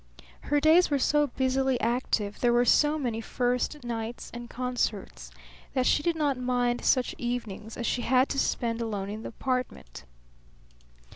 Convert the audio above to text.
Her days were so busily active, there were so many first nights and concerts, that she did not mind such evenings as she had to spend alone in the apartment.